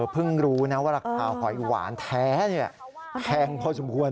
เพิ่งรู้นะว่าราคาหอยหวานแท้นี่แข็งพอสมควรนะ